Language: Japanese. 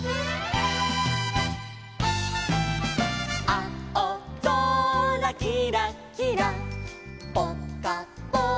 「あおぞらきらきらぽかぽかてんき」